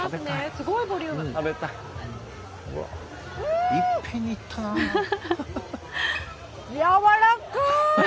すごいボリューム。やわらかーい。